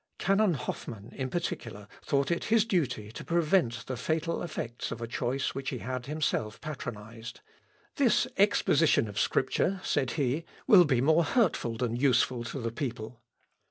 Canon Hoffman in particular thought it his duty to prevent the fatal effects of a choice which he had himself patronised. "This exposition of Scripture," said he, "will be more hurtful than useful to the people."